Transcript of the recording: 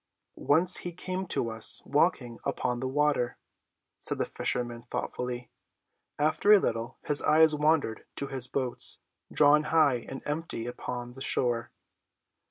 "Once he came to us walking upon the water," said the fisherman thoughtfully. After a little his eyes wandered to his boats, drawn high and empty upon the shore.